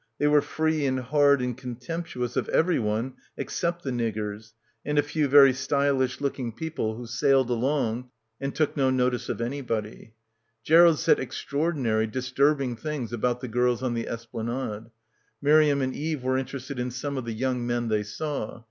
They were free and hard and contemptuous of everyone except the niggers and a few very stylish looking people — 243 — PILGRIMAGE who sailed along and took no notice of anybody. Gerald said extraordinary, disturbing things about the girls on the esplanade. Miriam and Eve were interested in some of the young men they saw.